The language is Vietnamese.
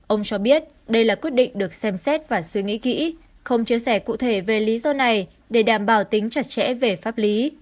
ông cho biết đây là quyết định được xem xét và suy nghĩ kỹ không chia sẻ cụ thể về lý do này để đảm bảo tính chặt chẽ về pháp lý